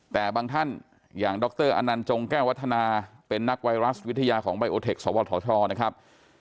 แต่บางท่านอย่างดรอนันต์จงแก้ววัฒนาเป็นนักไวรัสวิทยาของไบโอเทคสวทชนะครับ